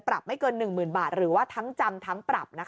ปรับไม่เกิน๑๐๐๐๐บาทหรือว่าทั้งจำทั้งปรับ